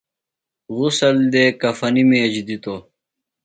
غسل دےۡ کفنیۡ مجیۡ دِتوۡ ۔